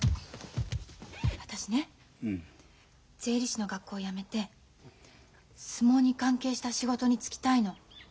税理士の学校やめて相撲に関係した仕事に就きたいの。